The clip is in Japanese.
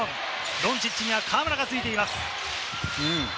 ドンチッチには河村がついています。